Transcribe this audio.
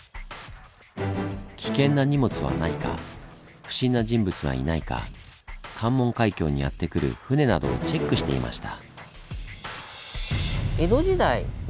危険な荷物はないか不審な人物はいないか関門海峡にやって来る船などをチェックしていました。